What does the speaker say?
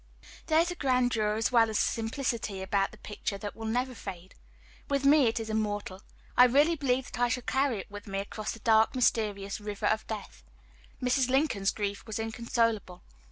There is a grandeur as well as a simplicity about the picture that will never fade. With me it is immortal I really believe that I shall carry it with me across the dark, mysterious river of death. Mrs. Lincoln's grief was inconsolable.